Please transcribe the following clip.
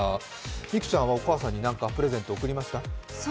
美空ちゃんはお母さんに何かプレゼントを贈りました？